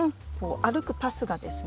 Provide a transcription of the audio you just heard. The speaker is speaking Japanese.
歩くパスがですね